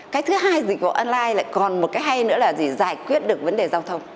cái thứ hai dịch vụ online lại còn một cái hay nữa là gì giải quyết được vấn đề giao thông